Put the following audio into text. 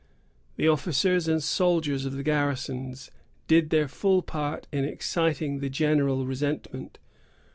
The officers and soldiers of the garrisons did their full part in exciting the general resentment.